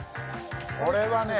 これはね